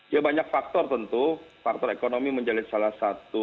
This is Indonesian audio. ya banyak faktor tentu faktor ekonomi menjadi salah satu